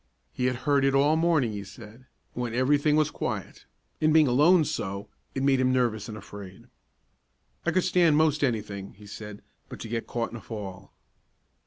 He had heard it all the morning he said, when every thing was quiet, and, being alone so, it made him nervous and afraid. "I could stan' most any thing," he said, "but to get caught in a 'fall.